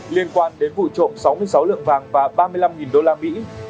liên quan đến vụ trộm sáu mươi sáu lượng vàng và ba mươi năm đô la mỹ